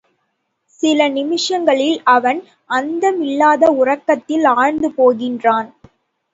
சில நிமிஷங்களில் அவன் அந்தமில்லாத உறக்கத்தில் ஆழ்ந்து போகின்றான்.